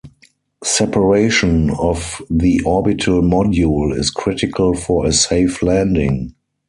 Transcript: Separation of the Orbital Module is critical for a safe landing.